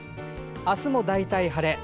明日も大体晴れ。